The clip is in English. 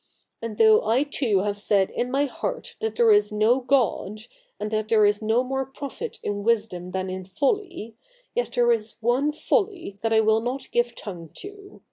And though I too have said in my heart that there is no God, and that there is no more profit in wisdom than in folly, yet there is one folly that I vnW not give tongue to.